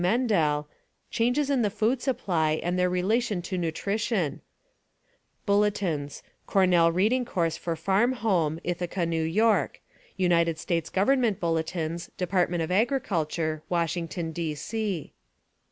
Mendel, "Changes in the Food Supply and their Rela tion to Nutrition;" Bulletins: Cornell Reading. Course for Farm Home, Ithaca, N. Y. ; United States Government Bulletins, Dept. of Agriculture, Washington, D. C.